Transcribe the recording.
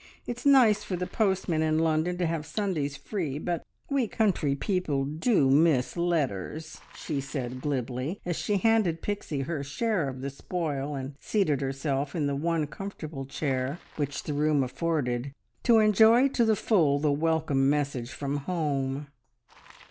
It's nice for the postmen in London to have Sundays free, but we country people do miss letters," she said glibly, as she handed Pixie her share of the spoil, and seated herself in the one comfortable chair which the room afforded, to enjoy to the full the welcome message from home.